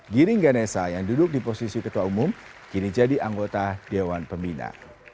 giring ganesa yang duduk di posisi ketua umum kini jadi anggota dewan pembina